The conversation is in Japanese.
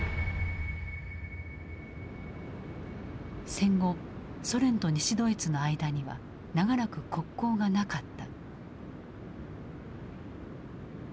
戦後ソ連と西ドイツの間には長らく国交がなかった。